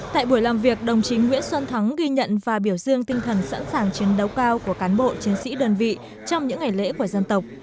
tại buổi làm việc đồng chí nguyễn xuân thắng ghi nhận và biểu dương tinh thần sẵn sàng chiến đấu cao của cán bộ chiến sĩ đơn vị trong những ngày lễ của dân tộc